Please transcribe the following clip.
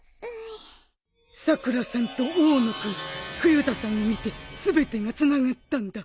さくらさんと大野君冬田さんを見て全てがつながったんだ。